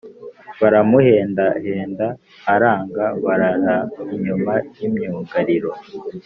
baramuhendahenda, aranga barara inyuma y'imyugariro;